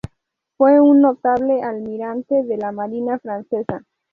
Fue un notable almirante de la marina francesa.